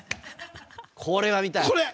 これは見たい。